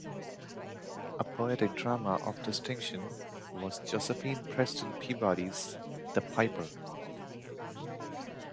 A poetic drama of distinction was Josephine Preston Peabody's "The Piper".